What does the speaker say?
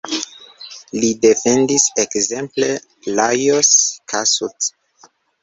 Li defendis ekzemple Lajos Kossuth.